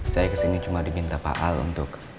saya kesini cuma diminta pak al untuk